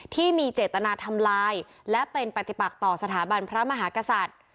ที่มีเจตนาทำลายและเป็นปฏิปักต่อสถาบันพระมหากษัตริย์